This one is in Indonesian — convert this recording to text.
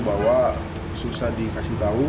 bahwa susah dikasih tahu